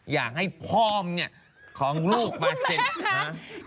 อยากให้พร่อมของลูกมาเสร็จ